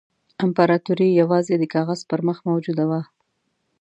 امپراطوري یوازې د کاغذ پر مخ موجوده وه.